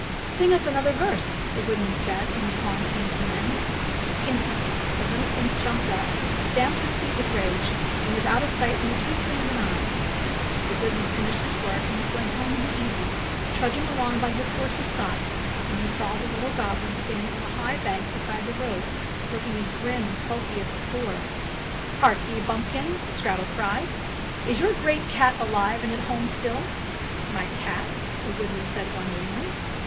''Sing us another verse," the woodman said, when the song came to an end. Instantly the little imp jumped up, stamped his feet with rage, and was out of sight in the twinkling of an eye. The woodman finished his work and was going home in the evening, trudging along by his horse's side, when he saw the little goblin standing on a high bank beside the road, looking as grim and sulky as before. 29 Fairy Tale Bears ''Hark ye, bumpkin," the skrattel cried, "is your great cat alive and at home still?" "My cat?" the woodman said wonder ingly.